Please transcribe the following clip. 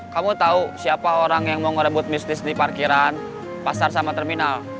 kamu tahu siapa orang yang mau ngerebut bisnis di parkiran pasar sama terminal